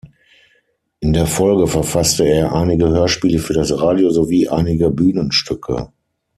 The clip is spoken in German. In der Folge verfasste er einige Hörspiele für das Radio, sowie einige Bühnenstücke.